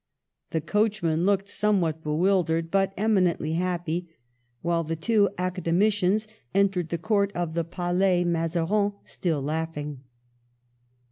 The coachman looked somewhat bewildered, but eminently happy, while the two academi cians entered the court of the Palais Mazarin, still laughing.